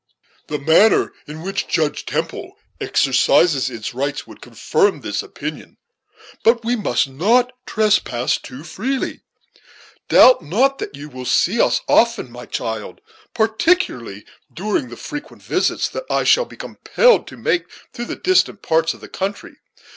"The manner in which Judge Temple exercises its rites would confirm this opinion; but we must not trespass too freely. Doubt not that you will see us often, my child, particularly during the frequent visits that I shall be compelled to make to the distant parts of the country.